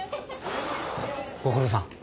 ご苦労さん。